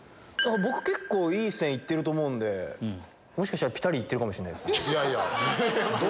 僕いい線いってると思うんでもしかしたらピタリいってるかもしれないです。